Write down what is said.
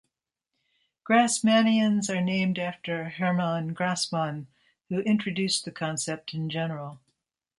Grassmannians are named after Hermann Grassmann, who introduced the concept in general.